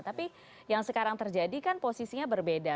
tapi yang sekarang terjadi kan posisinya berbeda